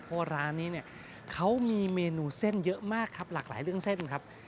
เพราะร้านนี้เนี่ยเขามีเมนูเส้นเยอะมากครับหลากหลายเรื่องเส้นครับ